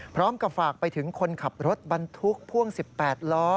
พร้อมกับฝากไปถึงคนขับรถบรรทุกพ่วง๑๘ล้อ